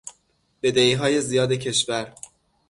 بدهیهای زیاد کشور